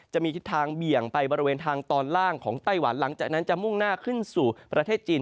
จะมีทิศทางเบี่ยงไปบริเวณทางตอนล่างของไต้หวันหลังจากนั้นจะมุ่งหน้าขึ้นสู่ประเทศจีน